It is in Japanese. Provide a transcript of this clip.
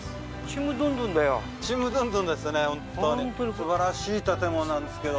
素晴らしい建物なんですけど。